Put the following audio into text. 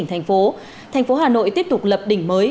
thành phố hà nội tiếp tục lập đỉnh mới